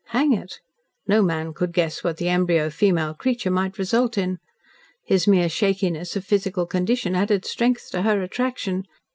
Hang it! No man could guess what the embryo female creature might result in. His mere shakiness of physical condition added strength to her attraction.